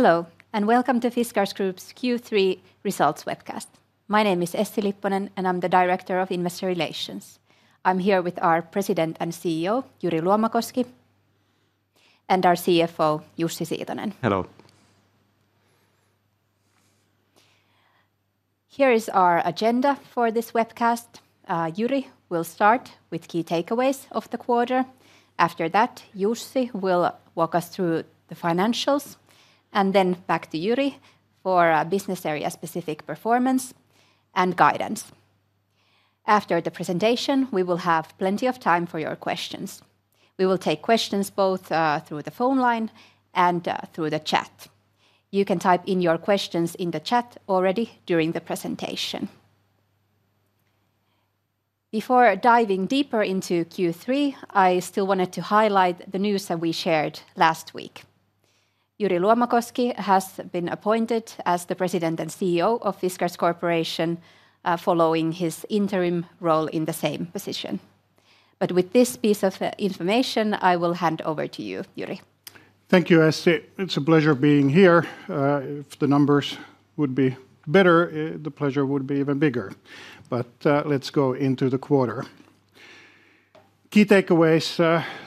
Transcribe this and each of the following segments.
Hello and welcome to Fiskars Group's Q3 results webcast. My name is Essi Lipponen and I'm the Director of Investor Relations. I'm here with our President and CEO, Jyri Luomakoski, and our CFO, Jussi Siitonen. Hello. Here is our agenda for this webcast. Jyri will start with key takeaways of the quarter. After that, Jussi will walk us through the financials, and then back to Jyri for business area-specific performance and guidance. After the presentation, we will have plenty of time for your questions. We will take questions both through the phone line and through the chat. You can type in your questions in the chat already during the presentation. Before diving deeper into Q3, I still wanted to highlight the news that we shared last week. Jyri Luomakoski has been appointed as the President and CEO of Fiskars Group following his interim role in the same position. With this piece of information, I will hand over to you, Jyri. Thank you, Essi. It's a pleasure being here. If the numbers would be better, the pleasure would be even bigger. Let's go into the quarter. Key takeaways: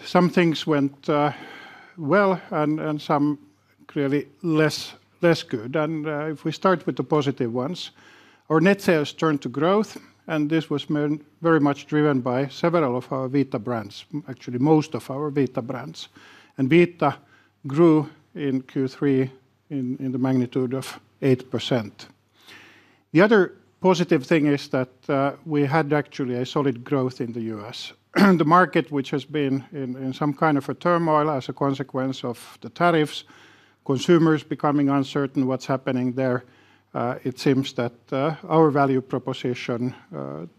some things went well and some clearly less good. If we start with the positive ones, our net sales turned to growth, and this was very much driven by several of our Vita brands, actually most of our Vita brands. Vita grew in Q3 in the magnitude of 8%. The other positive thing is that we had actually a solid growth in the U.S. The market, which has been in some kind of a turmoil as a consequence of the tariffs, consumers becoming uncertain, what's happening there. It seems that our value proposition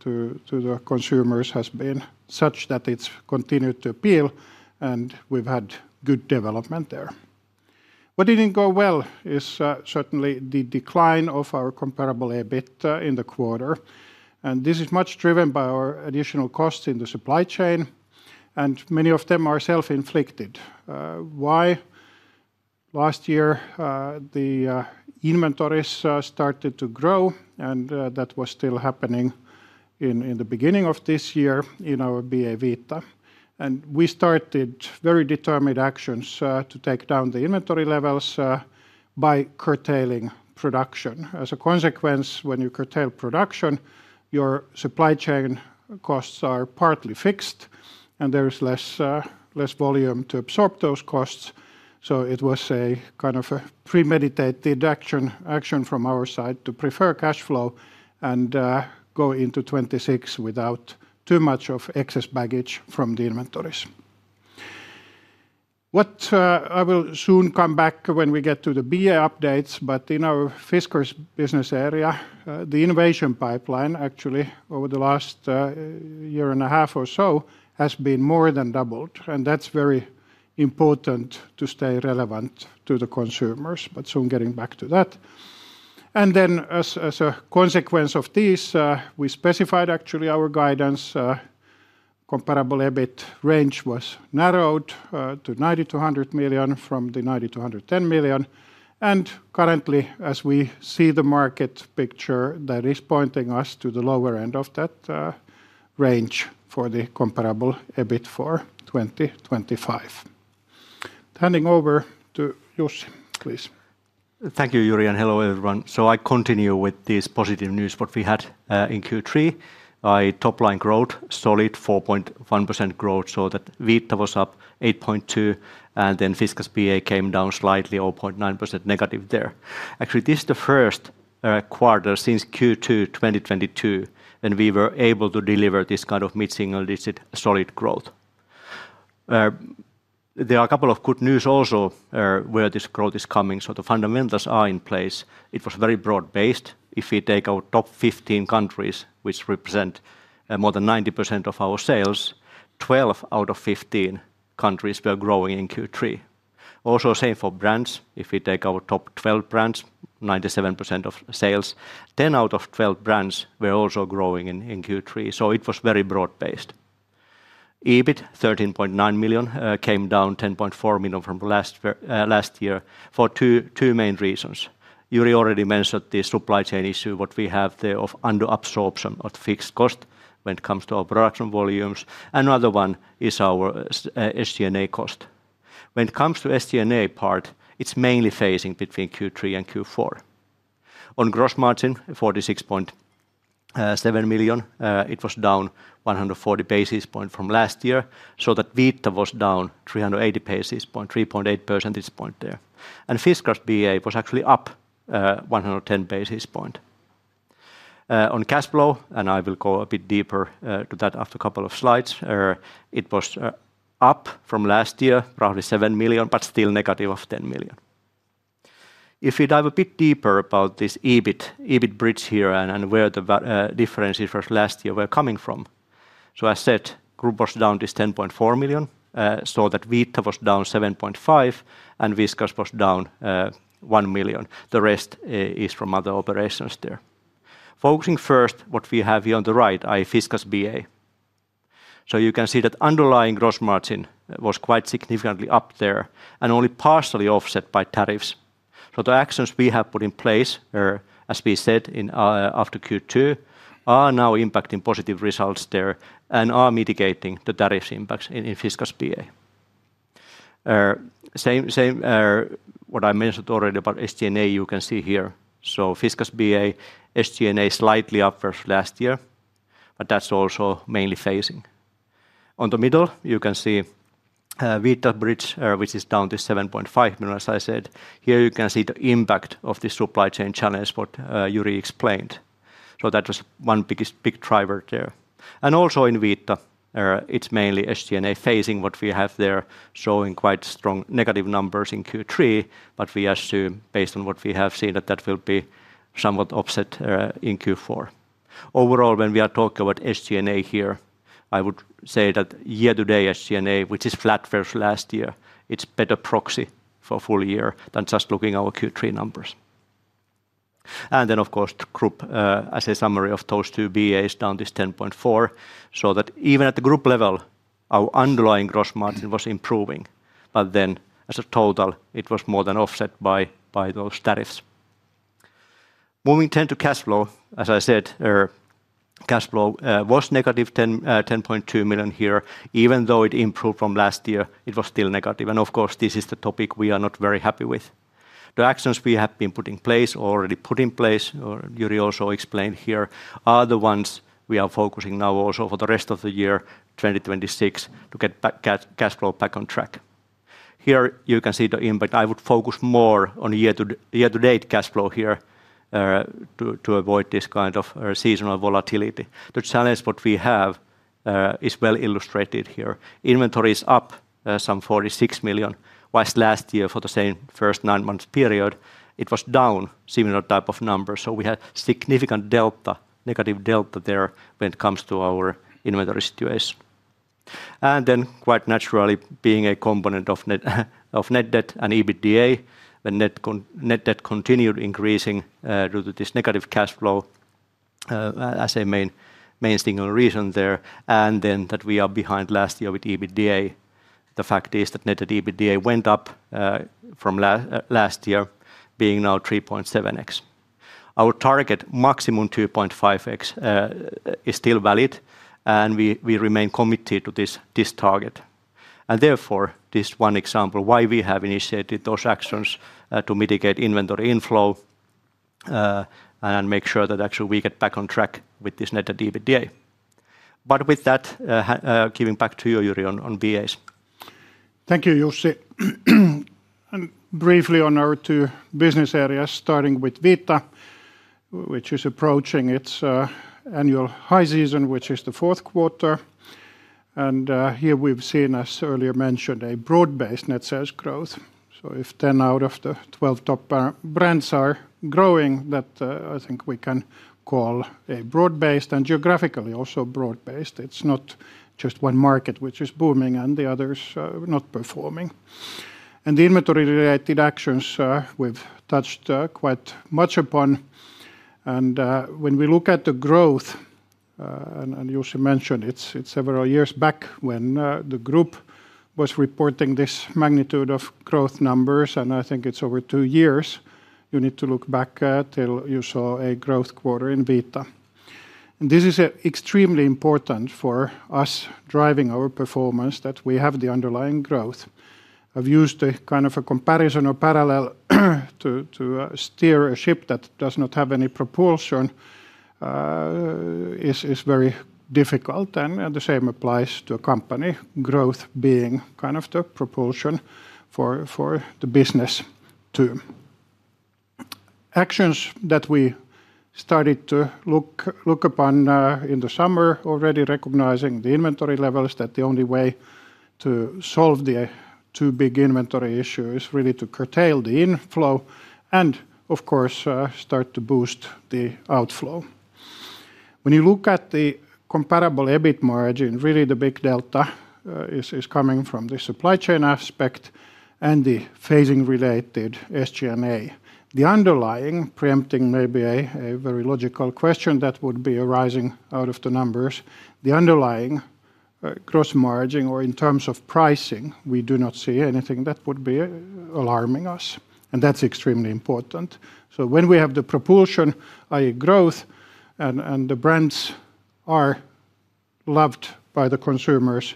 to the consumers has been such that it's continued to appeal, and we've had good development there. What didn't go well is certainly the decline of our comparable EBITDA in the quarter, and this is much driven by our additional costs in the supply chain, and many of them are self-inflicted. Why? Last year, the inventories started to grow, and that was still happening in the beginning of this year in our BA Vita. We started very determined actions to take down the inventory levels by curtailing production. As a consequence, when you curtail production, your supply chain costs are partly fixed, and there is less volume to absorb those costs. It was a kind of a premeditated action from our side to prefer cash flow and go into 2026 without too much of excess baggage from the inventories. I will soon come back when we get to the BA updates, but in our Fiskars business area, the innovation pipeline actually over the last year and a half or so has been more than doubled, and that's very important to stay relevant to the consumers, but soon getting back to that. As a consequence of this, we specified actually our guidance. Comparable EBITDA range was narrowed to 90 million-100 million from the 90 million-110 million. Currently, as we see the market picture, that is pointing us to the lower end of that range for the comparable EBITDA for 2025. Handing over to Jussi, please. Thank you, Jyri, and hello everyone. I continue with this positive news, what we had in Q3. By top line growth, solid 4.1% growth, so that Vita was up 8.2%, and then Fiskars BA came down slightly, 0.9%- there. Actually, this is the first quarter since Q2 2022 when we were able to deliver this kind of mid-single-digit solid growth. There are a couple of good news also where this growth is coming. The fundamentals are in place. It was very broad-based. If we take our top 15 countries, which represent more than 90% of our sales, 12 out of 15 countries were growing in Q3. Also, same for brands. If we take our top 12 brands, 97% of sales, 10 out of 12 brands were also growing in Q3. It was very broad-based. EBITDA 13.9 million came down 10.4 million from last year for two main reasons. Jyri already mentioned the supply chain issue, what we have there of under-absorption of fixed cost when it comes to our production volumes. Another one is our SG&A cost. When it comes to SG&A part, it's mainly phasing between Q3 and Q4. On gross margin, 46.7 million, it was down 140 basis points from last year, so that Vita was down 380 basis points, 3.8% at this point there. Fiskars BA was actually up 110 basis points. On cash flow, and I will go a bit deeper to that after a couple of slides, it was up from last year, roughly 7 million, but still negative of 10 million. If we dive a bit deeper about this EBITDA bridge here and where the differences from last year were coming from. As said, group was down this 10.4 million, so that Vita was down 7.5%, and Fiskars was down 1 million. The rest is from other operations there. Focusing first what we have here on the right, i.e. Fiskars BA. You can see that underlying gross margin was quite significantly up there and only partially offset by tariffs. The actions we have put in place, as we said after Q2, are now impacting positive results there and are mitigating the tariffs impacts in Fiskars BA. What I mentioned already about SG&A, you can see here. Fiskars BA, SG&A slightly up versus last year, but that's also mainly phasing. On the middle, you can see Vita's bridge, which is down to 7.5 million, as I said. Here you can see the impact of the supply chain challenge what Jyri explained. That was one biggest big driver there. Also in Vita, it's mainly SG&A phasing what we have there, showing quite strong negative numbers in Q3, but we assume, based on what we have seen, that that will be somewhat offset in Q4. Overall, when we are talking about SG&A here, I would say that year-to-date SG&A, which is flat versus last year, is a better proxy for a full year than just looking at our Q3 numbers. Of course, group, as a summary of those two, BA is down this 10.4%, so that even at the group level, our underlying gross margin was improving, but as a total, it was more than offset by those tariffs. Moving to cash flow, as I said, cash flow was -10.2 million here. Even though it improved from last year, it was still negative. This is the topic we are not very happy with. The actions we have been putting in place, or already put in place, Jyri also explained here, are the ones we are focusing on now also for the rest of the year, 2026, to get cash flow back on track. Here you can see the impact. I would focus more on year-to-date cash flow here to avoid this kind of seasonal volatility. The challenge we have is well illustrated here. Inventory is up some 46 million, whilst last year for the same first nine months period, it was down similar type of numbers. We had significant delta, negative delta there when it comes to our inventory situation. Quite naturally, being a component of net debt and EBITDA, when net debt continued increasing due to this negative cash flow, as a main single reason there, and that we are behind last year with EBITDA. The fact is that net debt/EBITDA went up from last year, being now 3.7x. Our target maximum 2.5x is still valid, and we remain committed to this target. This is one example why we have initiated those actions to mitigate inventory inflow and make sure that we get back on track with this net debt/EBITDA. With that, giving back to you, Jyri, on BAs. Thank you, Jussi. Briefly on our two business areas, starting with Vita, which is approaching its annual high season, which is the fourth quarter. Here we've seen, as earlier mentioned, a broad-based net sales growth. If 10 out of the 12 top brands are growing, I think we can call it broad-based and geographically also broad-based. It's not just one market which is booming and the others not performing. The inventory-related actions we've touched quite much upon. When we look at the growth, and Jussi mentioned it's several years back when the group was reporting this magnitude of growth numbers, I think it's over two years, you need to look back till you saw a growth quarter in Vita. This is extremely important for us driving our performance that we have the underlying growth. I've used a kind of a comparison or parallel to steer a ship that does not have any propulsion is very difficult, and the same applies to a company, growth being kind of the propulsion for the business too. Actions that we started to look upon in the summer, already recognizing the inventory levels, that the only way to solve the two big inventory issues is really to curtail the inflow and, of course, start to boost the outflow. When you look at the comparable EBITDA margin, really the big delta is coming from the supply chain aspect and the phasing-related SG&A. The underlying, preempting maybe a very logical question that would be arising out of the numbers, the underlying gross margin or in terms of pricing, we do not see anything that would be alarming us, and that's extremely important. When we have the propulsion, i.e. growth, and the brands are loved by the consumers,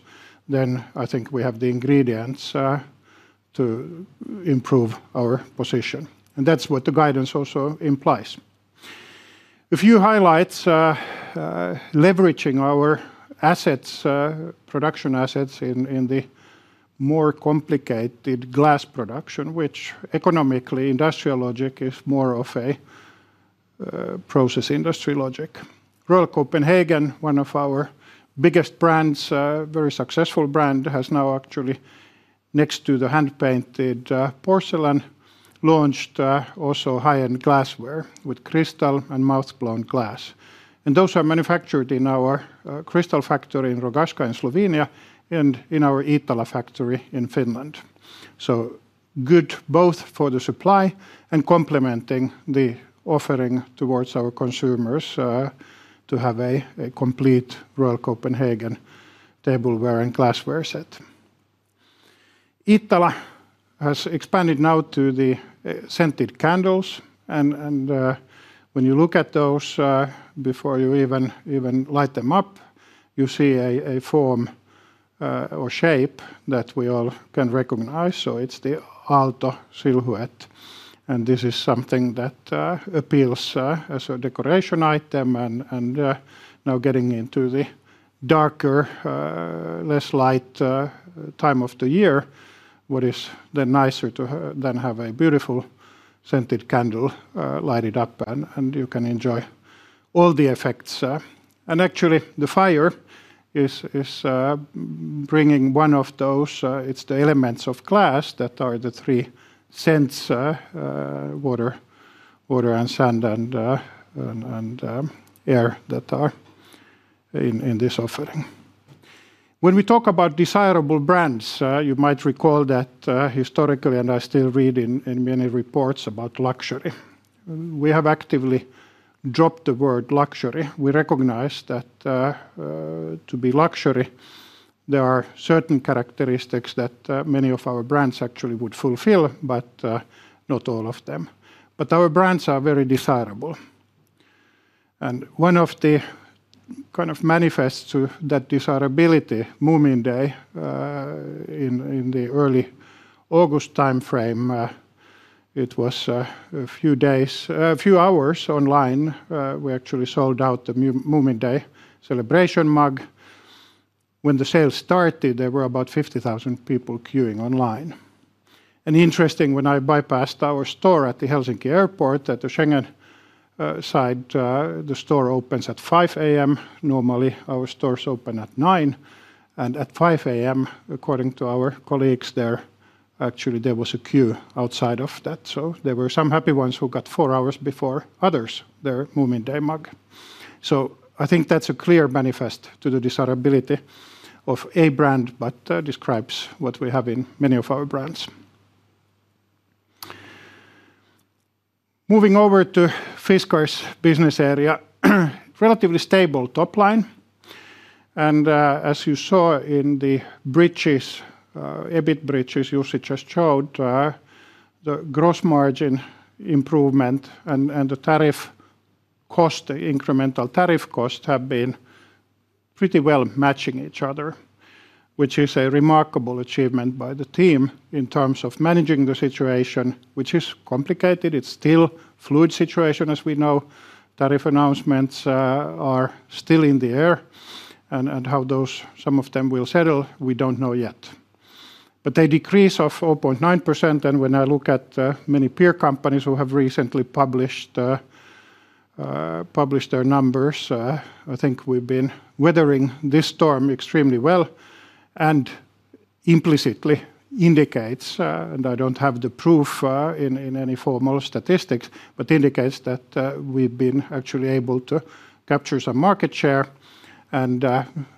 then I think we have the ingredients to improve our position. That's what the guidance also implies. A few highlights, leveraging our assets, production assets in the more complicated glass production, which economically, industrial logic is more of a process industry logic. Royal Copenhagen, one of our biggest brands, a very successful brand, has now actually, next to the hand-painted porcelain, launched also high-end glassware with crystal and mouth-blown glass. Those are manufactured in our crystal factory in Rogaška in Slovenia and in our Iittala factory in Finland. Good both for the supply and complementing the offering towards our consumers to have a complete Royal Copenhagen tableware and glassware set. Iittala has expanded now to the scented candles, and when you look at those, before you even light them up, you see a form or shape that we all can recognize. It's the Aalto silhouette, and this is something that appeals as a decoration item. Now, getting into the darker, less light time of the year, what is then nicer to then have a beautiful scented candle lighted up, and you can enjoy all the effects. Actually, the fire is bringing one of those. It's the elements of glass that are the three scents, water, and sand, and air that are in this offering. When we talk about desirable brands, you might recall that historically, and I still read in many reports about luxury, we have actively dropped the word luxury. We recognize that to be luxury, there are certain characteristics that many of our brands actually would fulfill, but not all of them. Our brands are very desirable. One of the kind of manifests to that desirability, Moomin Day in the early August timeframe, it was a few days, a few hours online. We actually sold out the Moomin Day celebration mug. When the sale started, there were about 50,000 people queuing online. Interesting, when I bypassed our store at the Helsinki airport at the Schengen side, the store opens at 5:00 A.M. Normally, our stores open at 9:00, and at 5:00 A.M., according to our colleagues there, actually there was a queue outside of that. There were some happy ones who got four hours before others their Moomin Day mug. I think that's a clear manifest to the desirability of a brand, but describes what we have in many of our brands. Moving over to Fiskars business area, relatively stable top line. As you saw in the bridges, EBITDA bridges, Jussi just showed, the gross margin improvement and the tariff cost, incremental tariff cost have been pretty well matching each other, which is a remarkable achievement by the team in terms of managing the situation, which is complicated. It's still a fluid situation, as we know. Tariff announcements are still in the air, and how those, some of them will settle, we don't know yet. The decrease of 0.9%. When I look at many peer companies who have recently published their numbers, I think we've been weathering this storm extremely well. Implicitly indicates, and I don't have the proof in any formal statistics, but indicates that we've been actually able to capture some market share and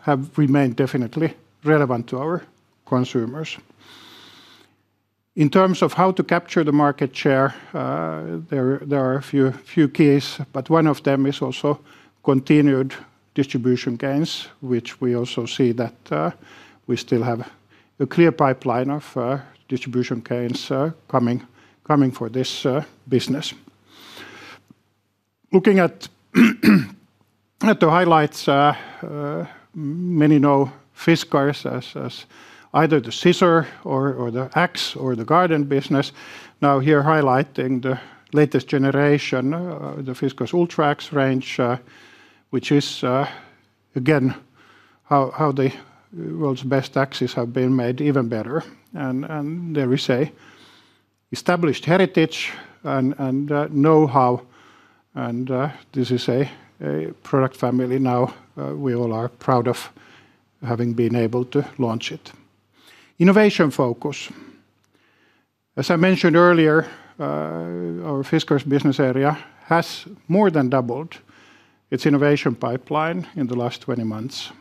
have remained definitely relevant to our consumers. In terms of how to capture the market share, there are a few keys, but one of them is also continued distribution gains, which we also see that we still have a clear pipeline of distribution gains coming for this business. Looking at the highlights, many know Fiskars as either the scissor or the axe or the garden business. Now here highlighting the latest generation, the Fiskars Ultra Axe range, which is again how the world's best axes have been made even better. There is an established heritage and know-how, and this is a product family now we all are proud of having been able to launch it. Innovation focus. As I mentioned earlier, our Fiskars business area has more than doubled its innovation pipeline in the last 20 months.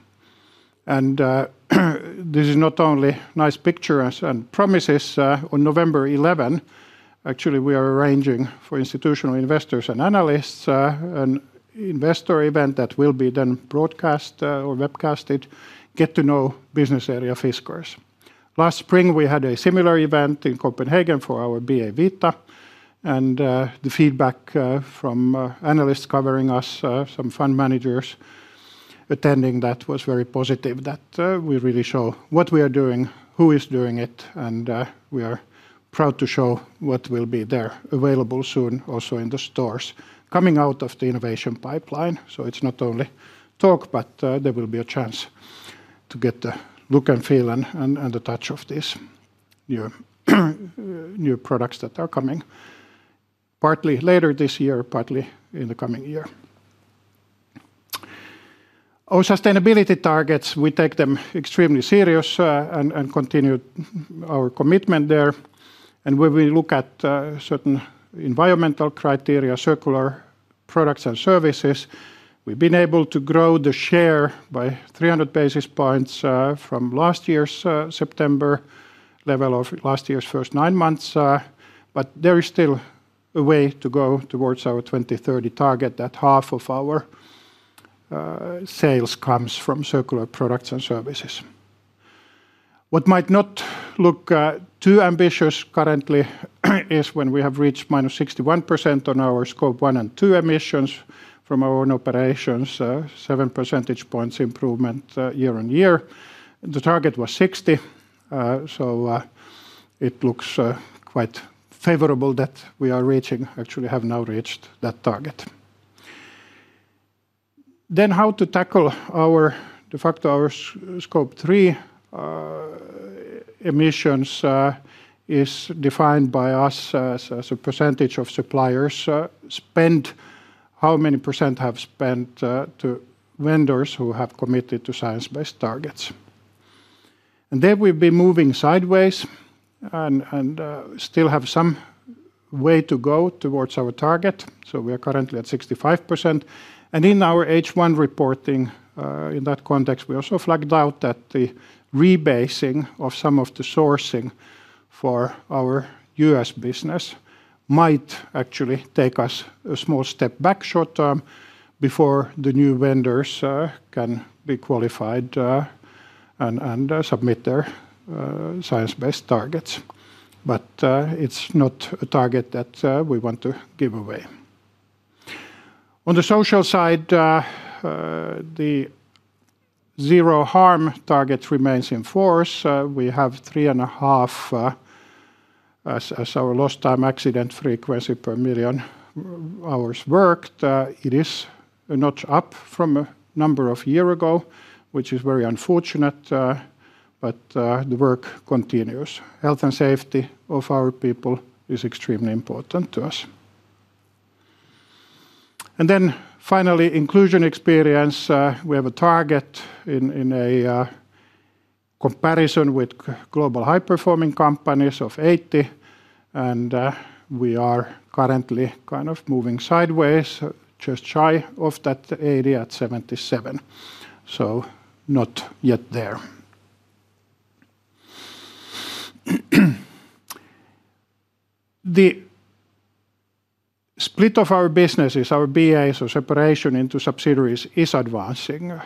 This is not only a nice picture and promises. On November 11, actually, we are arranging for institutional investors and analysts an investor event that will be then broadcast or webcasted, get to know business area Fiskars. Last spring, we had a similar event in Copenhagen for our BA Vita, and the feedback from analysts covering us, some fund managers attending that was very positive that we really show what we are doing, who is doing it, and we are proud to show what will be there available soon also in the stores coming out of the innovation pipeline. It's not only talk, but there will be a chance to get the look and feel and the touch of these new products that are coming partly later this year, partly in the coming year. Our sustainability targets, we take them extremely serious and continue our commitment there. When we look at certain environmental criteria, circular products and services, we've been able to grow the share by 300 basis points from last year's September level of last year's first nine months. There is still a way to go towards our 2030 target that half of our sales comes from circular products and services. What might not look too ambitious currently is when we have reached minus 61% on our scope 1 and scope 2 emissions from our own operations, seven percentage points improvement year on year. The target was 60%, so it looks quite favorable that we are reaching, actually have now reached that target. How to tackle our de facto our scope 3 emissions is defined by us as a percentage of suppliers spend, how many percent have spent to vendors who have committed to science-based targets. There we've been moving sideways and still have some way to go towards our target. We are currently at 65%. In our H1 reporting in that context, we also flagged out that the rebasing of some of the sourcing for our U.S. business might actually take us a small step back short term before the new vendors can be qualified and submit their science-based targets. It's not a target that we want to give away. On the social side, the zero harm target remains in force. We have 3.5 as our lost time accident frequency per million hours worked. It is a notch up from a number of years ago, which is very unfortunate, but the work continues. Health and safety of our people is extremely important to us. Finally, inclusion experience. We have a target in a comparison with global high-performing companies of 80, and we are currently kind of moving sideways, just shy of that 80 at 77. Not yet there. The split of our businesses, our BAs, or separation into subsidiaries is advancing.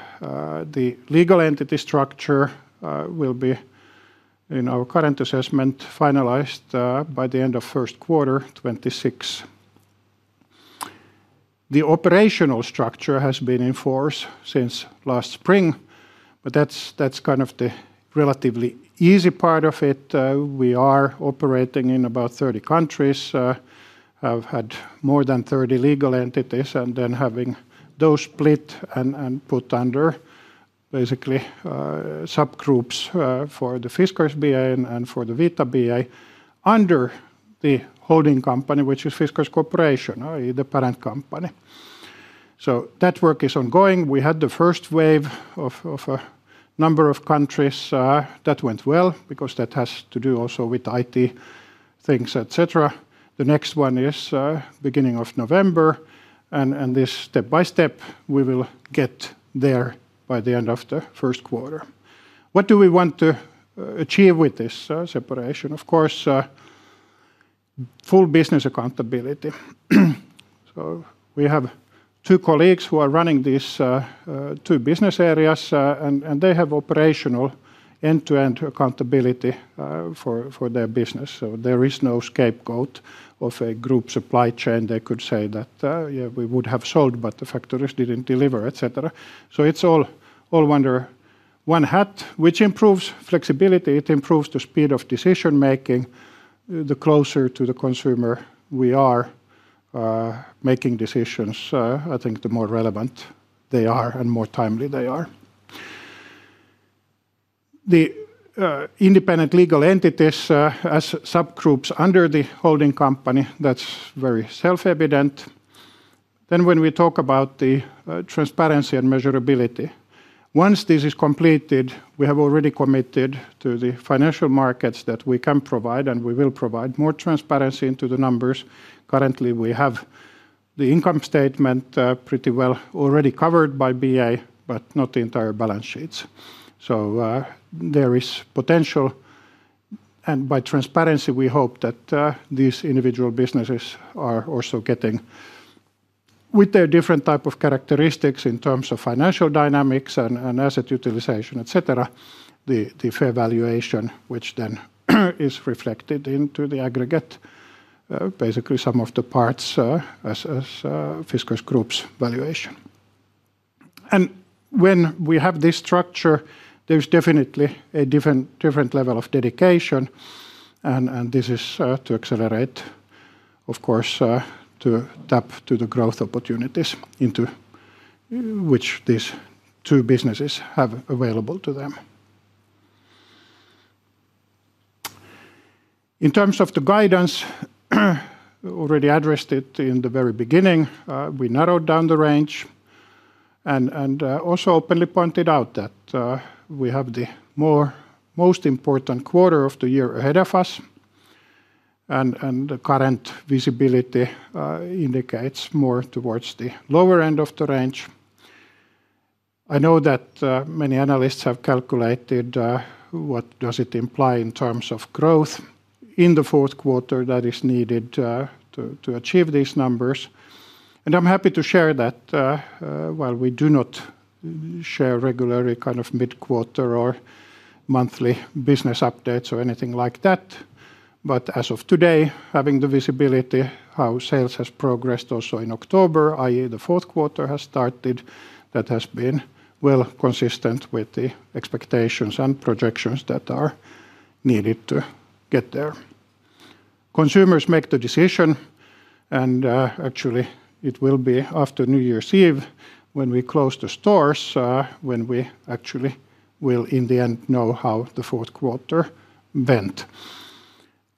The legal entity structure will be in our current assessment finalized by the end of first quarter 2026. The operational structure has been enforced since last spring, but that's kind of the relatively easy part of it. We are operating in about 30 countries, have had more than 30 legal entities, and then having those split and put under basically subgroups for the Fiskars BA and for the Vita BA under the holding company, which is Fiskars Corporation, the parent company. That work is ongoing. We had the first wave of a number of countries that went well because that has to do also with IT things, etc. The next one is the beginning of November, and this step by step we will get there by the end of the first quarter. What do we want to achieve with this separation? Of course, full business accountability. We have two colleagues who are running these two business areas, and they have operational end-to-end accountability for their business. There is no scapegoat of a group supply chain. They could say that we would have sold, but the factories didn't deliver, etc. It's all under one hat, which improves flexibility. It improves the speed of decision making. The closer to the consumer we are making decisions, I think the more relevant they are and more timely they are. The independent legal entities as subgroups under the holding company, that's very self-evident. When we talk about the transparency and measurability, once this is completed, we have already committed to the financial markets that we can provide, and we will provide, more transparency into the numbers. Currently, we have the income statement pretty well already covered by BA, but not the entire balance sheets. There is potential, and by transparency, we hope that these individual businesses are also getting with their different type of characteristics in terms of financial dynamics and asset utilization, etc. The fair valuation, which then is reflected into the aggregate, basically sum of the parts as Fiskars Group's valuation. When we have this structure, there's definitely a different level of dedication, and this is to accelerate, of course, to tap to the growth opportunities which these two businesses have available to them. In terms of the guidance, I already addressed it in the very beginning. We narrowed down the range and also openly pointed out that we have the most important quarter of the year ahead of us, and the current visibility indicates more towards the lower end of the range. I know that many analysts have calculated what does it imply in terms of growth in the fourth quarter that is needed to achieve these numbers, and I'm happy to share that while we do not share regular kind of mid-quarter or monthly business updates or anything like that, as of today, having the visibility how sales have progressed also in October, i.e. the fourth quarter has started, that has been well consistent with the expectations and projections that are needed to get there. Consumers make the decision, and actually it will be after New Year's Eve when we close the stores, when we actually will in the end know how the fourth quarter went.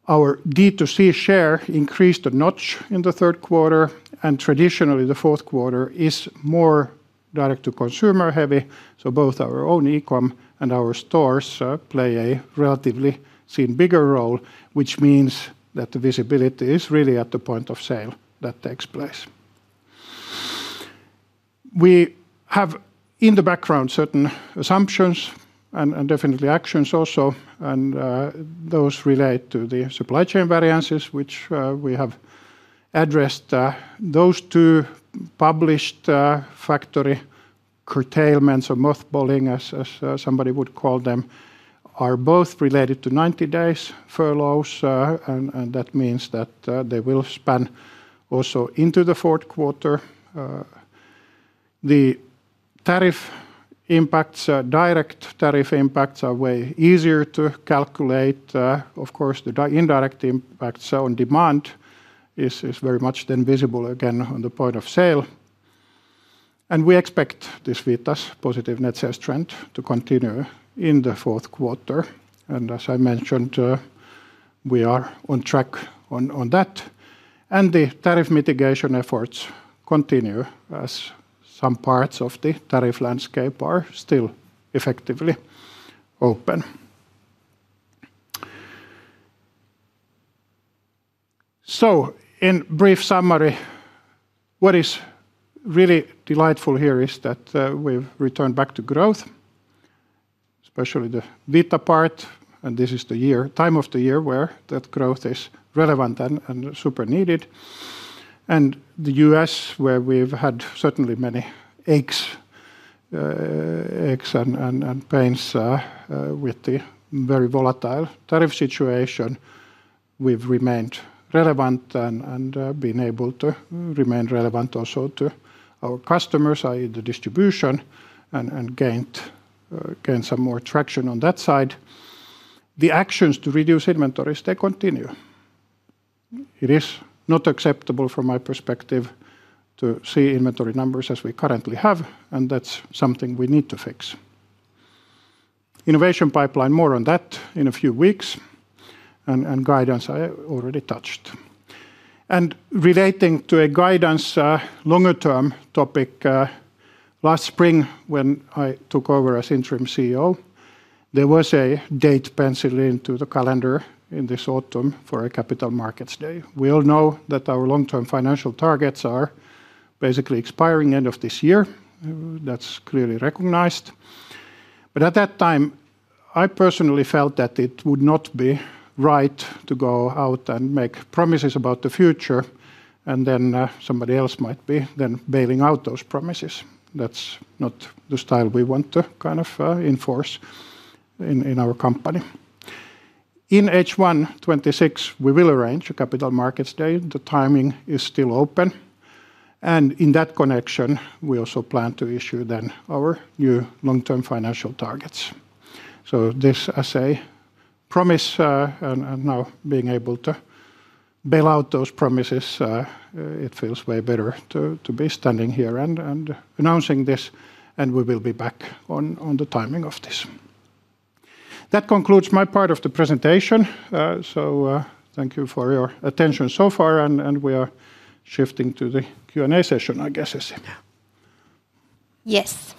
Our D2C share increased a notch in the third quarter, and traditionally the fourth quarter is more direct-to-consumer heavy. Both our own e-comm and our stores play a relatively seen bigger role, which means that the visibility is really at the point of sale that takes place. We have in the background certain assumptions and definitely actions also, and those relate to the supply chain variances, which we have addressed. Those two published factory curtailments or mothballing, as somebody would call them, are both related to 90 days furloughs, and that means that they will span also into the fourth quarter. The direct tariff impacts are way easier to calculate. Of course, the indirect impacts on demand are very much then visible again on the point of sale. We expect this Vita's positive net sales trend to continue in the fourth quarter. As I mentioned, we are on track on that, and the tariff mitigation efforts continue as some parts of the tariff landscape are still effectively open. In brief summary, what is really delightful here is that we've returned back to growth, especially the Vita part, and this is the time of the year where that growth is relevant and super needed. The U.S., where we've had certainly many aches and pains with the very volatile tariff situation, we've remained relevant and been able to remain relevant also to our customers, i.e., the distribution, and gained some more traction on that side. The actions to reduce inventories continue. It is not acceptable from my perspective to see inventory numbers as we currently have, and that's something we need to fix. Innovation pipeline, more on that in a few weeks, and guidance I already touched. Relating to a guidance longer-term topic, last spring when I took over as interim CEO, there was a date penciled into the calendar in this autumn for a Capital Markets Day. We all know that our long-term financial targets are basically expiring end of this year; that's clearly recognized. At that time, I personally felt that it would not be right to go out and make promises about the future, and then somebody else might be then bailing out those promises. That's not the style we want to kind of enforce in our company. In H1 2026, we will arrange a Capital Markets Day. The timing is still open. In that connection, we also plan to issue then our new long-term financial targets. This, as I say, promise, and now being able to bail out those promises, it feels way better to be standing here and announcing this, and we will be back on the timing of this. That concludes my part of the presentation. Thank you for your attention so far, and we are shifting to the Q&A session, I guess, Essi? Yes. Yes!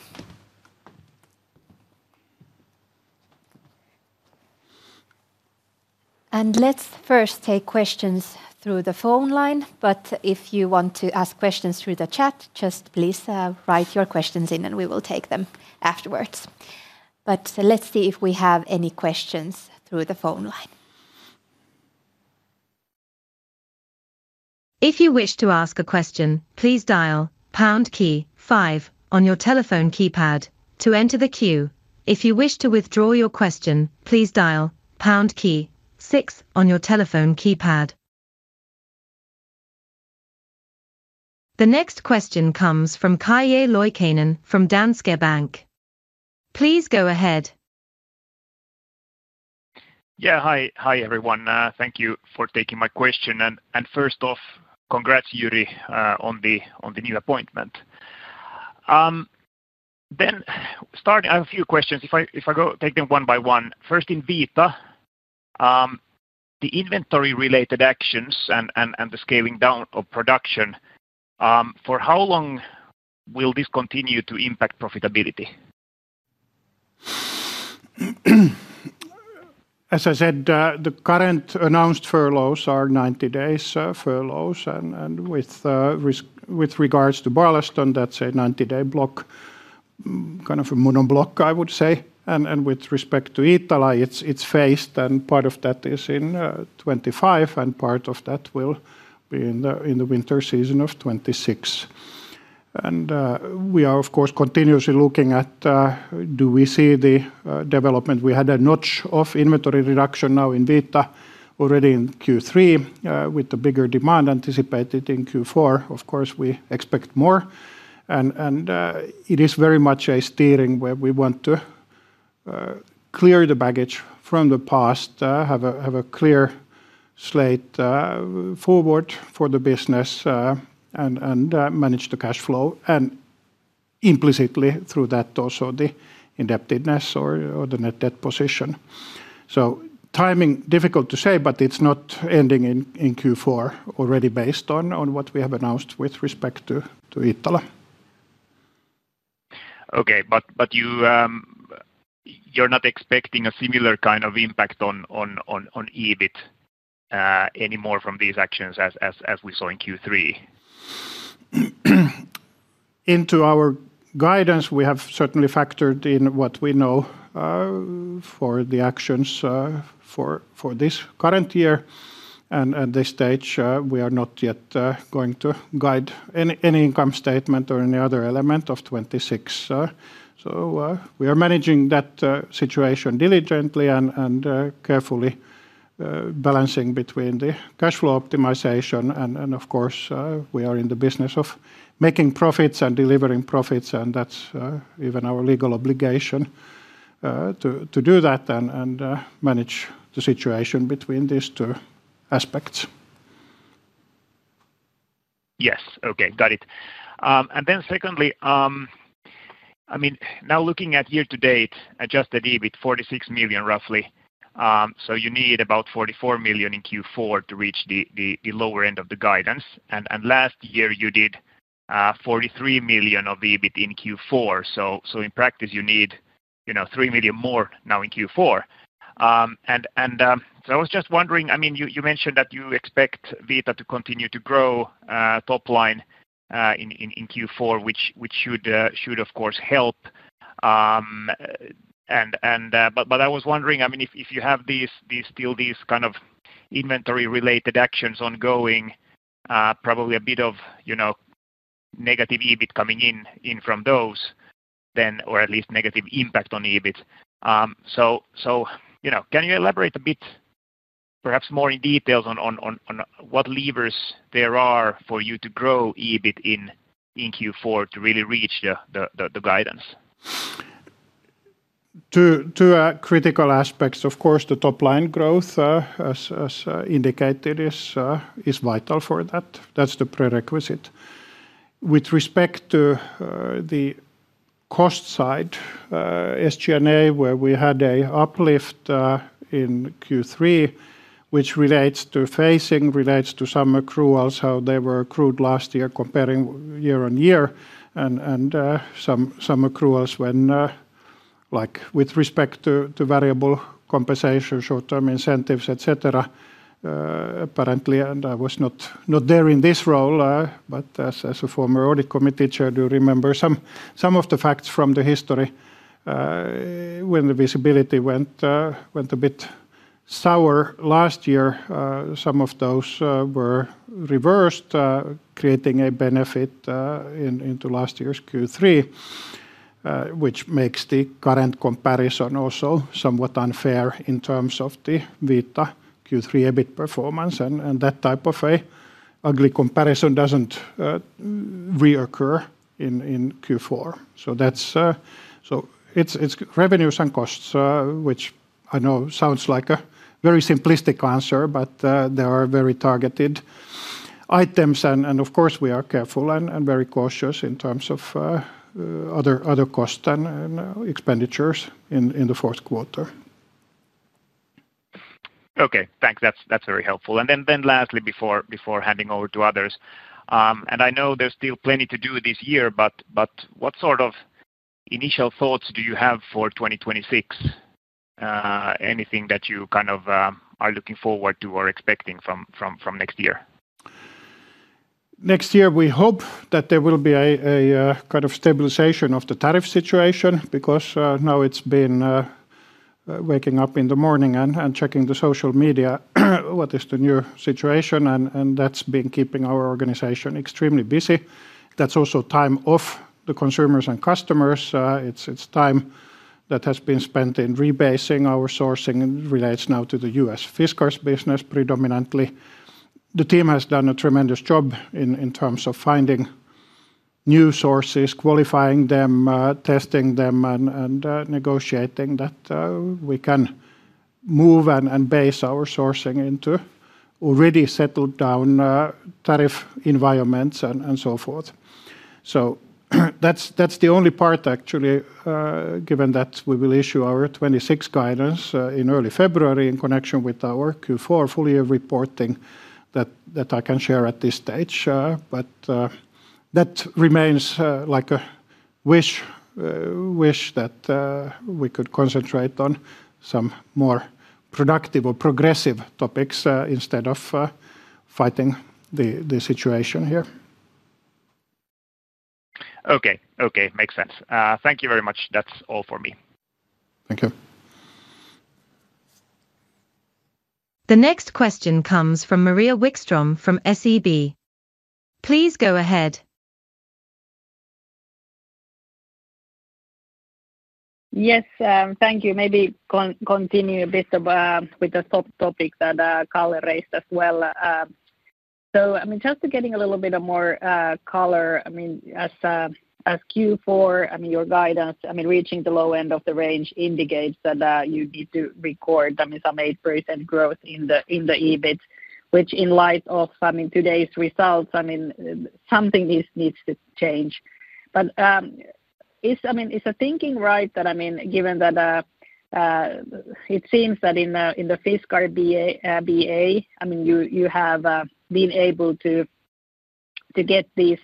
Let's first take questions through the phone line. If you want to ask questions through the chat, just please write your questions in, and we will take them afterwards. Let's see if we have any questions through the phone line. If you wish to ask a question, please dial pound key five on your telephone keypad to enter the queue. If you wish to withdraw your question, please dial pound key six on your telephone keypad. The next question comes from Calle Loikkanen from Danske Bank. Please go ahead. Hi everyone. Thank you for taking my question. First off, congrats, Jyri, on the new appointment. I have a few questions. If I take them one by one. First, in Vita, the inventory-related actions and the scaling down of production, for how long will this continue to impact profitability? As I said, the current announced furloughs are 90-day furloughs, and with regards to Barlaston, that's a 90-day block, kind of a monoblock, I would say. With respect to Iittala, it's phased, and part of that is in 2025, and part of that will be in the winter season of 2026. We are, of course, continuously looking at do we see the development. We had a notch of inventory reduction now in Vita already in Q3, with a bigger demand anticipated in Q4. We expect more, and it is very much a steering where we want to clear the baggage from the past, have a clear slate forward for the business, and manage the cash flow, and implicitly through that also the indebtedness or the net debt position. Timing is difficult to say, but it's not ending in Q4 already based on what we have announced with respect to Iittala. Okay, you're not expecting a similar kind of impact on EBIT anymore from these actions as we saw in Q3? Into our guidance, we have certainly factored in what we know for the actions for this current year, and at this stage, we are not yet going to guide any income statement or any other element of 2026. We are managing that situation diligently and carefully, balancing between the cash flow optimization, and of course, we are in the business of making profits and delivering profits, and that's even our legal obligation to do that and manage the situation between these two aspects. Yes, okay, got it. Now looking at year to date, adjusted EBIT is 46 million roughly. You need about 44 million in Q4 to reach the lower end of the guidance. Last year, you did 43 million of EBIT in Q4. In practice, you need 3 million more now in Q4. I was just wondering, you mentioned that you expect Vita to continue to grow top line in Q4, which should, of course, help. I was wondering if you have still these kind of inventory-related actions ongoing, probably a bit of negative EBIT coming in from those then, or at least negative impact on EBIT. Can you elaborate a bit, perhaps more in detail on what levers there are for you to grow EBIT in Q4 to really reach the guidance? Two critical aspects, of course, the top line growth, as indicated, is vital for that. That's the prerequisite. With respect to the cost side, SG&A, where we had an uplift in Q3, which relates to phasing, relates to some accruals, how they were accrued last year comparing year on year, and some accruals with respect to variable compensation, short-term incentives, etc. Apparently, I was not there in this role, but as a former Audit Committee Chair, I do remember some of the facts from the history. When the visibility went a bit sour last year, some of those were reversed, creating a benefit into last year's Q3, which makes the current comparison also somewhat unfair in terms of the Vita Q3 EBIT performance. That type of an ugly comparison doesn't reoccur in Q4. It's revenues and costs, which I know sounds like a very simplistic answer, but there are very targeted items, and of course, we are careful and very cautious in terms of other costs and expenditures in the fourth quarter. Okay, thanks. That's very helpful. Lastly, before handing over to others, I know there's still plenty to do this year, but what sort of initial thoughts do you have for 2026? Anything that you kind of are looking forward to or expecting from next year? Next year, we hope that there will be a kind of stabilization of the tariff situation because now it's been waking up in the morning and checking the social media, what is the new situation, and that's been keeping our organization extremely busy. That's also time off the consumers and customers. It's time that has been spent in rebasing our sourcing and relates now to the U.S. Fiskars business predominantly. The team has done a tremendous job in terms of finding new sources, qualifying them, testing them, and negotiating that we can move and base our sourcing into already settled down tariff environments and so forth. That's the only part, actually, given that we will issue our 2026 guidance in early February in connection with our Q4 full year reporting that I can share at this stage. That remains like a wish that we could concentrate on some more productive or progressive topics instead of fighting the situation here. Okay, okay, makes sense. Thank you very much. That's all for me. Thank you. The next question comes from Maria Wikstrom from SEB. Please go ahead. Yes, thank you. Maybe continue a bit with the top topics that Calle raised as well. Just getting a little bit more color, as Q4, your guidance, reaching the low end of the range indicates that you need to record some 8% growth in the EBIT, which in light of today's results, something needs to change. Is the thinking right that, given that it seems that in the Fiskars BA, you have been able to get these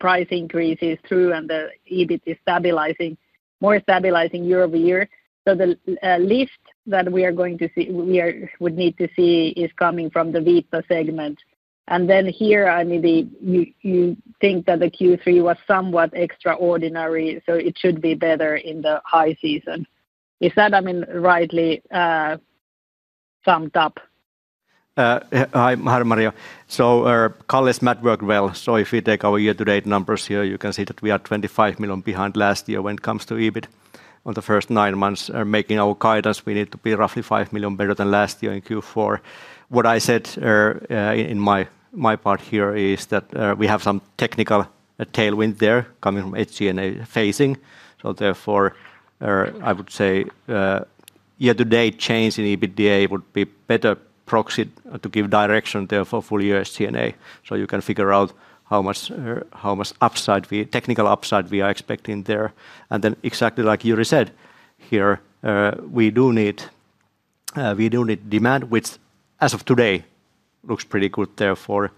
price increases through and the EBIT is stabilizing, more stabilizing year over year, the lift that we are going to see, we would need to see, is coming from the Vita segment? Then here, you think that the Q3 was somewhat extraordinary, so it should be better in the high season. Is that rightly summed up? Hi Maria. Calle's math worked well. If we take our year-to-date numbers here, you can see that we are 25 million behind last year when it comes to EBIT on the first nine months. Making our guidance, we need to be roughly 5 million better than last year in Q4. What I said in my part here is that we have some technical tailwind there coming from SG&A phasing. I would say year-to-date change in EBITDA would be a better proxy to give direction there for full year SG&A. You can figure out how much technical upside we are expecting there. Exactly like Jyri said, here we do need demand, which as of today looks pretty good there for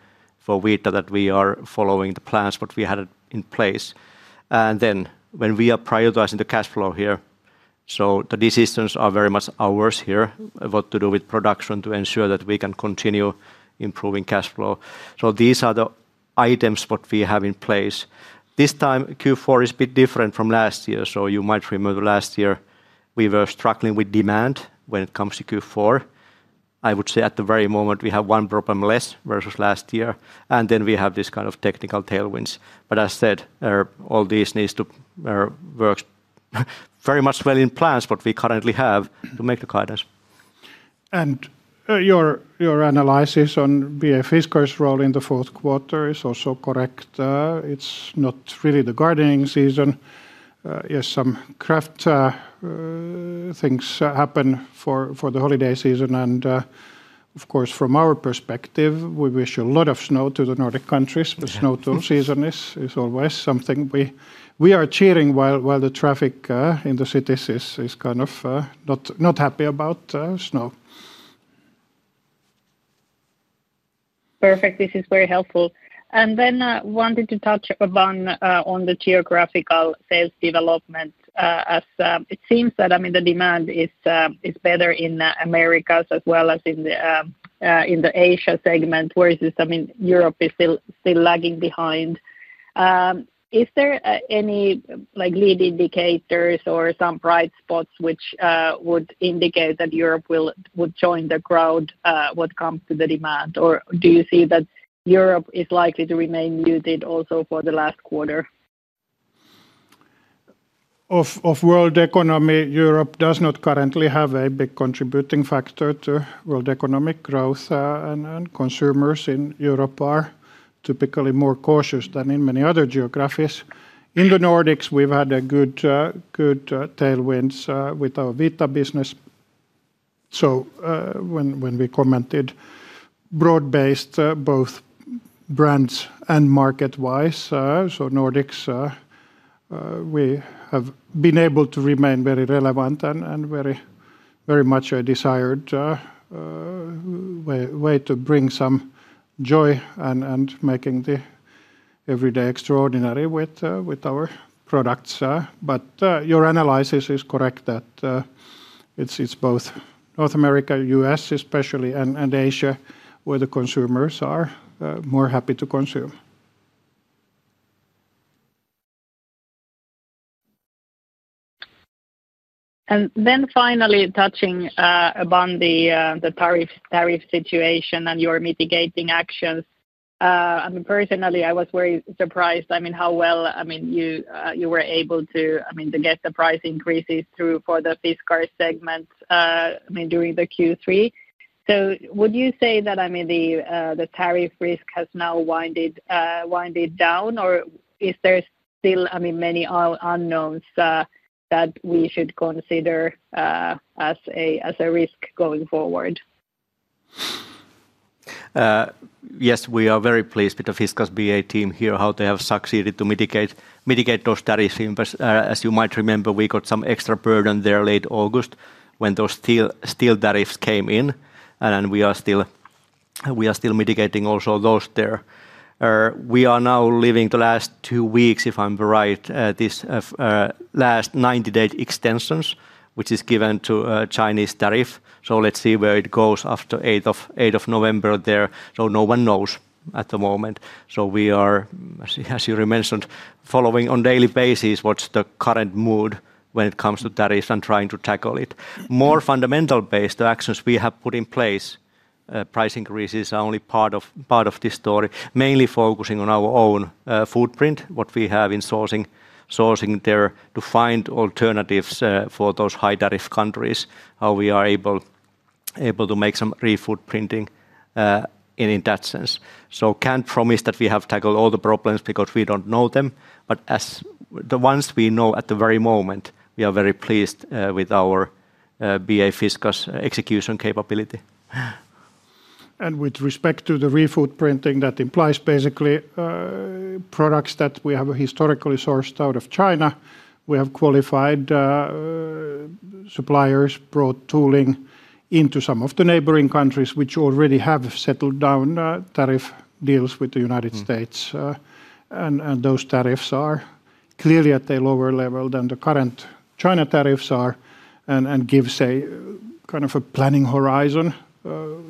Vita that we are following the plans we had in place. When we are prioritizing the cash flow here, the decisions are very much ours here what to do with production to ensure that we can continue improving cash flow. These are the items we have in place. This time Q4 is a bit different from last year. You might remember last year we were struggling with demand when it comes to Q4. I would say at the very moment we have one problem less versus last year, and we have this kind of technical tailwinds. As I said, all this needs to work very much well in plans we currently have to make the guidance. Your analysis on BA Fiskars' role in the fourth quarter is also correct. It's not really the gardening season. Yes, some craft things happen for the holiday season. Of course, from our perspective, we wish a lot of snow to the Nordic countries. The snowstorm season is always something we are cheering while the traffic in the cities is kind of not happy about snow. Perfect. This is very helpful. I wanted to touch upon the geographical sales development as it seems that the demand is better in America as well as in the Asia segment, versus Europe, which is still lagging behind. Is there any lead indicators or some bright spots which would indicate that Europe would join the crowd when it comes to the demand? Do you see that Europe is likely to remain muted also for the last quarter? Of world economy, Europe does not currently have a big contributing factor to world economic growth, and consumers in Europe are typically more cautious than in many other geographies. In the Nordics, we've had good tailwinds with our Vita business. When we commented broad-based both brands and market-wise, in the Nordics, we have been able to remain very relevant and very much a desired way to bring some joy and making the everyday extraordinary with our products. Your analysis is correct that it's both North America, U.S. especially, and Asia where the consumers are more happy to consume. Finally, touching upon the tariff situation and your mitigating actions, I was very surprised how well you were able to get the price increases through for the Fiskars segment during Q3. Would you say that the tariff risk has now winded down, or is there still many unknowns that we should consider as a risk going forward? Yes, we are very pleased with the Fiskars BA team here, how they have succeeded to mitigate those tariffs. As you might remember, we got some extra burden there late August when those steel tariffs came in, and we are still mitigating also those there. We are now living the last two weeks, if I'm right, these last 90-day extensions, which is given to Chinese tariff. Let's see where it goes after 8th of November there. No one knows at the moment. We are, as Jyri mentioned, following on a daily basis what's the current mood when it comes to tariffs and trying to tackle it. More fundamental-based, the actions we have put in place, price increases are only part of this story, mainly focusing on our own footprint, what we have in sourcing there to find alternatives for those high-tariff countries, how we are able to make some re-footprinting in that sense. Can't promise that we have tackled all the problems because we don't know them, but as the ones we know at the very moment, we are very pleased with our BA Fiskars execution capability. With respect to the re-footprinting, that implies basically products that we have historically sourced out of China. We have qualified suppliers, brought tooling into some of the neighboring countries, which already have settled down tariff deals with the U.S. Those tariffs are clearly at a lower level than the current China tariffs are and give a kind of a planning horizon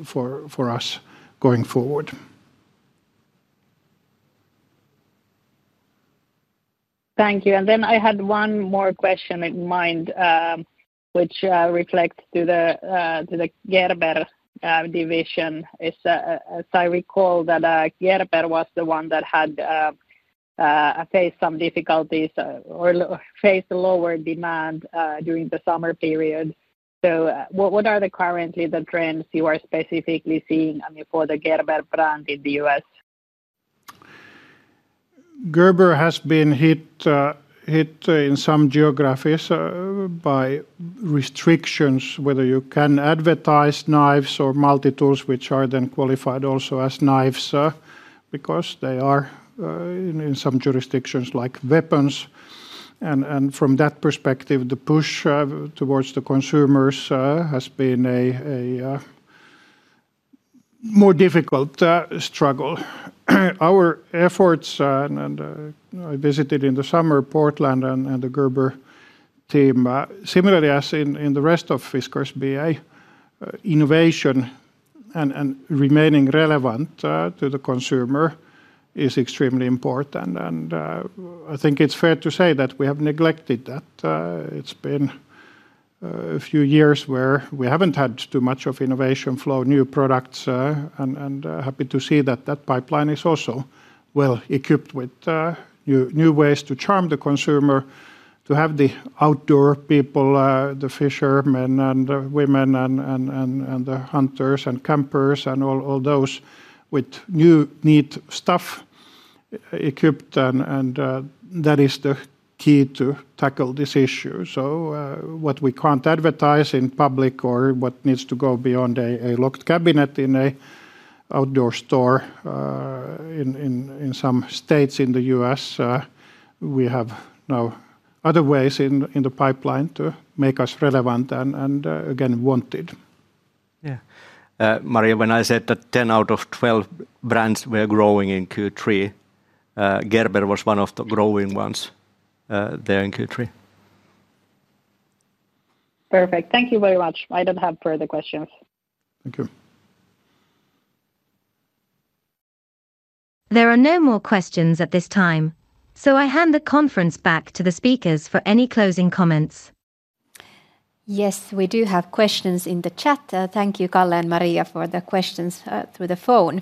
for us going forward. Thank you. I had one more question in mind, which reflects to the Gerber division. As I recall, Gerber was the one that had faced some difficulties or faced lower demand during the summer period. What are currently the trends you are specifically seeing, I mean, for the Gerber brand in the U.S.? Gerber has been hit in some geographies by restrictions, whether you can advertise knives or multi-tools, which are then qualified also as knives, because they are in some jurisdictions like weapons. From that perspective, the push towards the consumers has been a more difficult struggle. Our efforts, and I visited in the summer Portland and the Gerber team, similarly as in the rest of Fiskars BA, innovation and remaining relevant to the consumer is extremely important. I think it's fair to say that we have neglected that. It's been a few years where we haven't had too much of innovation flow, new products, and happy to see that that pipeline is also well equipped with new ways to charm the consumer, to have the outdoor people, the fishermen and the women and the hunters and campers and all those with new neat stuff equipped, and that is the key to tackle this issue. What we can't advertise in public or what needs to go beyond a locked cabinet in an outdoor store in some states in the U.S., we have now other ways in the pipeline to make us relevant and again wanted. Yeah. Maria, when I said that 10 out of 12 brands were growing in Q3, Gerber was one of the growing ones there in Q3. Perfect. Thank you very much. I don't have further questions. Thank you. There are no more questions at this time, so I hand the conference back to the speakers for any closing comments. Yes, we do have questions in the chat. Thank you, Calle and Maria, for the questions through the phone.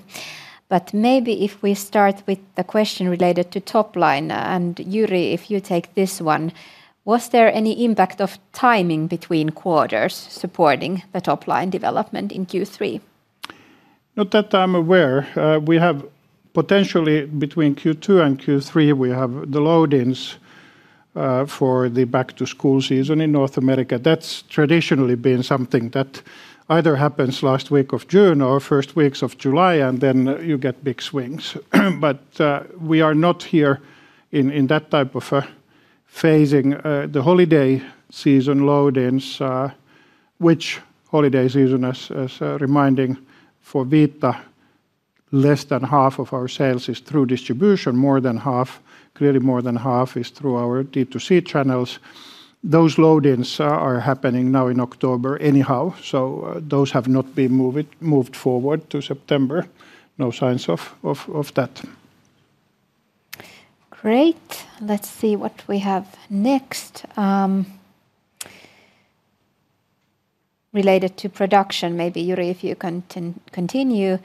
Maybe if we start with the question related to top line, and Jyri, if you take this one, was there any impact of timing between quarters supporting the top line development in Q3? No, that I'm aware. We have potentially between Q2 and Q3, we have the load-ins for the back-to-school season in North America. That's traditionally been something that either happens last week of June or first weeks of July, and you get big swings. We are not here in that type of phasing. The holiday season load-ins, which, as a reminder for Vita, less than half of our sales is through distribution, more than half, clearly more than half is through our D2C channels. Those load-ins are happening now in October anyhow, so those have not been moved forward to September. No signs of that. Great. Let's see what we have next. Related to production, maybe Jyri, if you can continue.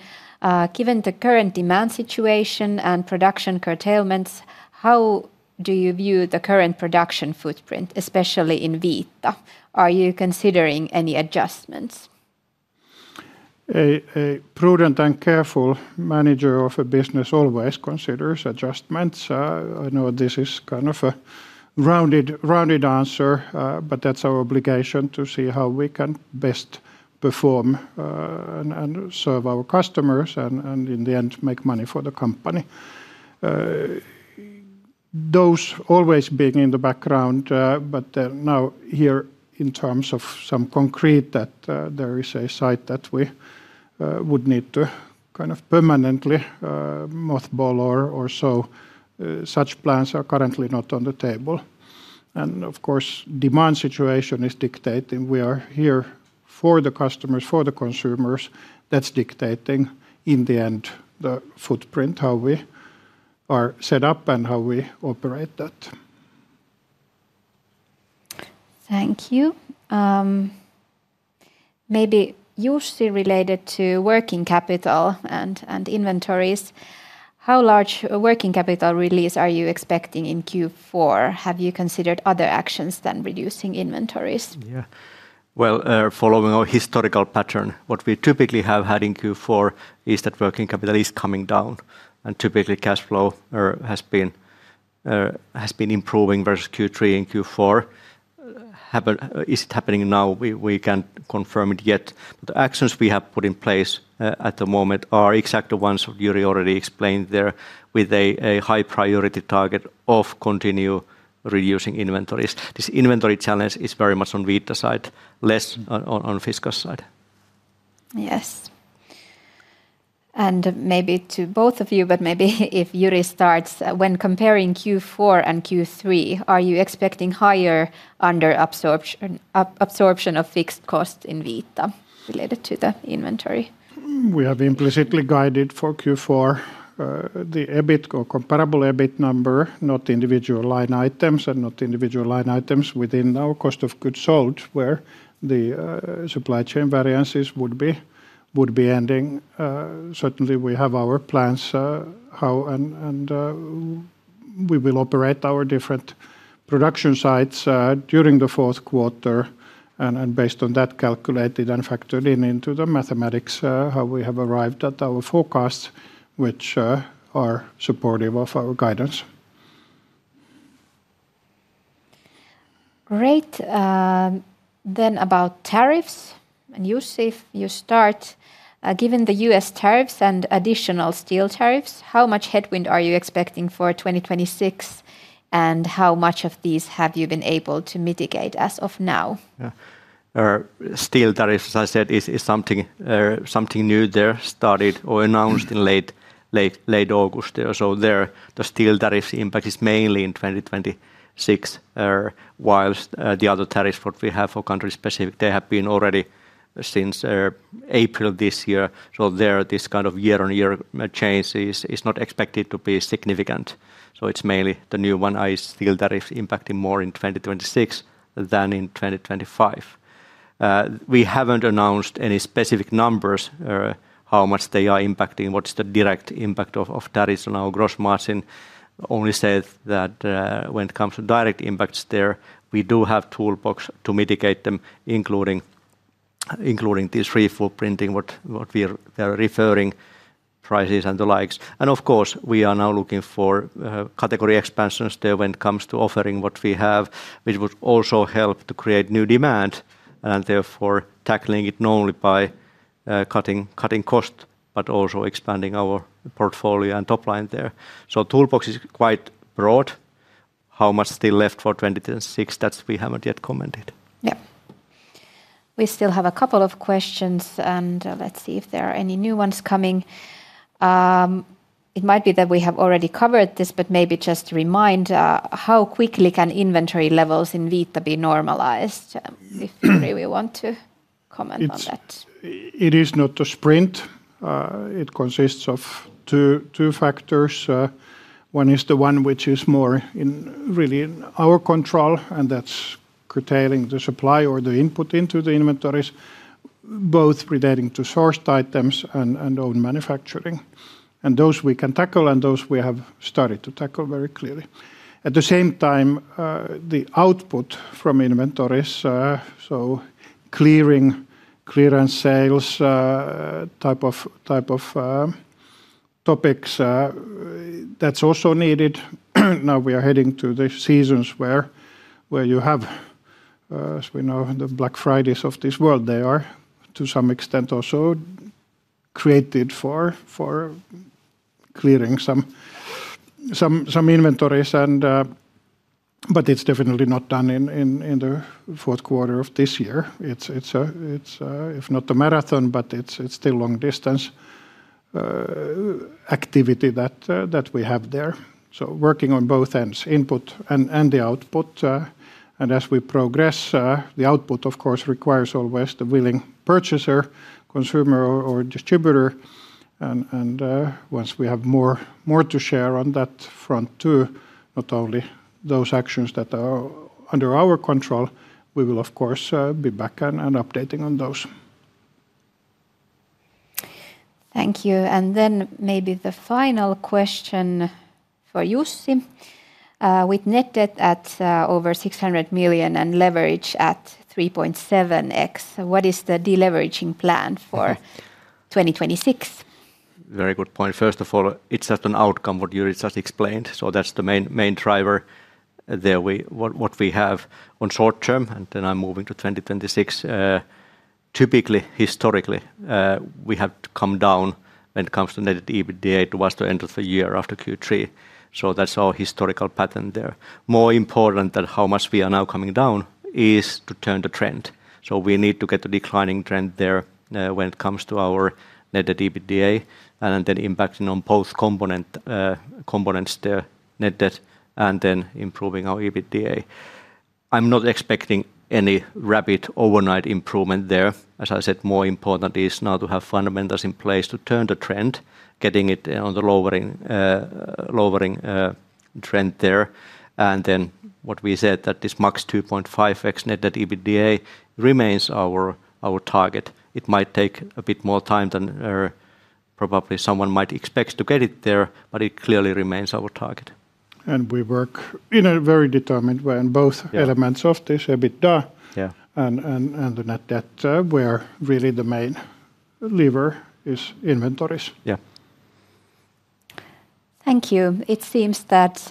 Given the current demand situation and production curtailments, how do you view the current production footprint, especially in Vita? Are you considering any adjustments? A prudent and careful manager of a business always considers adjustments. I know this is kind of a rounded answer, but that's our obligation to see how we can best perform and serve our customers and in the end make money for the company. Those always being in the background, but they're now here in terms of some concrete that there is a site that we would need to kind of permanently mothball or so. Such plans are currently not on the table. Of course, demand situation is dictating. We are here for the customers, for the consumers. That's dictating in the end the footprint, how we are set up and how we operate that. Thank you. Maybe Jussi, related to working capital and inventories, how large working capital release are you expecting in Q4? Have you considered other actions than reducing inventories? Following our historical pattern, what we typically have had in Q4 is that working capital is coming down, and typically cash flow has been improving versus Q3 and Q4. Is it happening now? We can't confirm it yet. The actions we have put in place at the moment are exactly the ones Jyri already explained there with a high priority target of continuing reducing inventories. This inventory challenge is very much on Vita side, less on Fiskars side. Yes. Maybe to both of you, but maybe if Jyri starts, when comparing Q4 and Q3, are you expecting higher under-absorption of fixed costs in Vita related to the inventory? We have implicitly guided for Q4 the EBIT or comparable EBIT number, not individual line items and not individual line items within our cost of goods sold where the supply chain variances would be ending. Certainly, we have our plans how and we will operate our different production sites during the fourth quarter, and based on that calculated and factored in into the mathematics, how we have arrived at our forecasts, which are supportive of our guidance. Great. About tariffs, and Jussi, if you start, given the U.S. tariffs and additional steel tariffs, how much headwind are you expecting for 2026, and how much of these have you been able to mitigate as of now? Steel tariffs, as I said, is something new there started or announced in late August. The steel tariffs impact is mainly in 2026, while the other tariffs we have for country specific, they have been already since April this year. This kind of year-on-year change is not expected to be significant. It is mainly the new one-eye steel tariffs impacting more in 2026 than in 2025. We haven't announced any specific numbers, how much they are impacting, what's the direct impact of tariffs on our gross margin. Only said that when it comes to direct impacts there, we do have toolbox to mitigate them, including this re-footprinting, what we are referring, prices and the likes. Of course, we are now looking for category expansions there when it comes to offering what we have, which would also help to create new demand, and therefore tackling it not only by cutting cost, but also expanding our portfolio and top line there. Toolbox is quite broad. How much still left for 2026, that we haven't yet commented. Yeah. We still have a couple of questions, and let's see if there are any new ones coming. It might be that we have already covered this, but maybe just to remind, how quickly can inventory levels in Vita be normalized? If Jyri, we want to comment on that. It is not a sprint. It consists of two factors. One is the one which is more in really our control, and that's curtailing the supply or the input into the inventories, both relating to sourced items and own manufacturing. Those we can tackle, and those we have started to tackle very clearly. At the same time, the output from inventories, so clearance sales type of topics, that's also needed. Now we are heading to the seasons where you have, as we know, the Black Fridays of this world. They are to some extent also created for clearing some inventories, but it's definitely not done in the fourth quarter of this year. It's not a marathon, but it's still long-distance activity that we have there. Working on both ends, input and the output. As we progress, the output, of course, requires always the willing purchaser, consumer, or distributor. Once we have more to share on that front too, not only those actions that are under our control, we will, of course, be back and updating on those. Thank you. Maybe the final question for Jussi. With net debt at over 600 million and leverage at 3.7x, what is the deleveraging plan for 2026? Very good point. First of all, it's just an outcome of what Jyri just explained. That's the main driver there, what we have on short term, and then I'm moving to 2026. Typically, historically, we have come down when it comes to net debt/EBITDA towards the end of the year after Q3. That's our historical pattern there. More important than how much we are now coming down is to turn the trend. We need to get a declining trend there when it comes to our net debt/EBITDA and then impacting on both components there, net debt and then improving our EBITDA. I'm not expecting any rapid overnight improvement there. As I said, more important is now to have fundamentals in place to turn the trend, getting it on the lowering trend there. What we said is that this max 2.5x net debt/EBITDA remains our target. It might take a bit more time than probably someone might expect to get it there, but it clearly remains our target. We work in a very determined way on both elements of this EBITDA and the net debt, where really the main lever is inventories. Yeah. Thank you. It seems that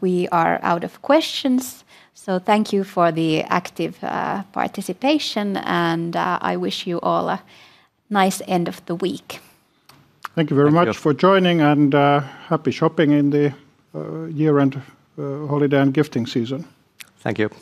we are out of questions. Thank you for the active participation, and I wish you all a nice end of the week. Thank you very much for joining, and happy shopping in the year-end holiday and gifting season. Thank you.